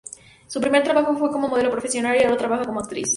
Su primer trabajo fue como modelo profesional, y ahora trabaja como actriz.